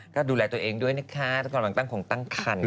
ก็ดูแลตัวเองด้วยนะคะกำลังตั้งครองตั้งครรภ์